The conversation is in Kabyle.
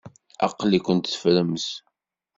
Aql-ikent teffremt.